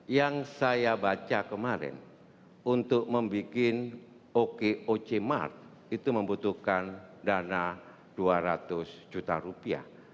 yang saya baca kemarin untuk membuat okoc mart itu membutuhkan dana dua ratus juta rupiah